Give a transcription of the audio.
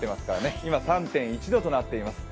今、３．１度となっています。